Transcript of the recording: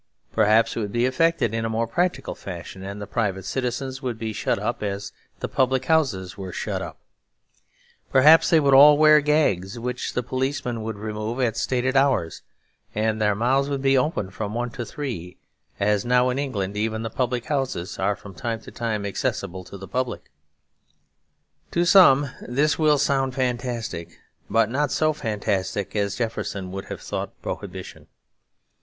Perhaps it would be effected in a more practical fashion, and the private citizens would be shut up as the public houses were shut up. Perhaps they would all wear gags, which the policeman would remove at stated hours; and their mouths would be opened from one to three, as now in England even the public houses are from time to time accessible to the public. To some this will sound fantastic; but not so fantastic as Jefferson would have thought Prohibition.